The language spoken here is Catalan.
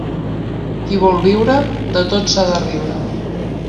Qui vol viure, de tot s'ha de riure.